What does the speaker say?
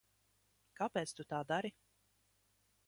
Kāpēc tu tā dari?